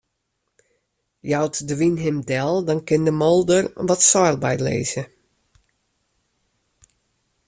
Jout de wyn him del, dan kin de moolder wat seil bylizze.